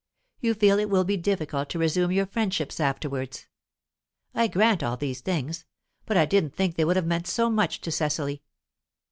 You feel it will be difficult to resume your friendships afterwards. I grant all these things, but I didn't think they would have meant so much to Cecily."